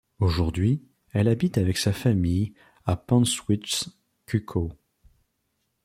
Aujourd'hui, elle habite avec sa famille à Panschwitz-Kuckau.